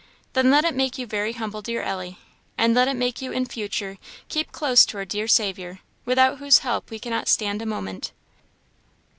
"Then let it make you very humble, dear Ellie, and let it make you in future keep close to our dear Saviour, without whose help we cannot stand a moment."